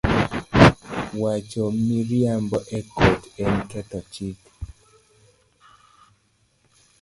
Wacho miriambo e kot en ketho chik